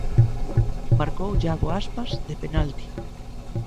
Marcou Iago Aspas de penalti.